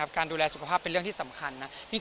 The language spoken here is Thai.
การดูแลสุขภาพเป็นเรื่องที่สำคัญนะ